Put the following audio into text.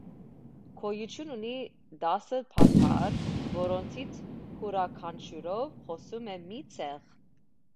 Գոյություն ունի տասը բարբառ, որոնցից յուրաքանչյուրով խոսում է մի ցեղ։